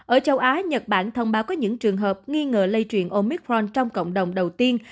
ở châu á nhật bản thông báo có những trường hợp nghi ngờ lây truyền omitron trong cộng đồng đầu tiên